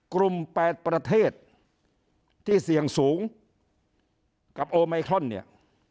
๘ประเทศที่เสี่ยงสูงกับโอไมครอนเนี่ย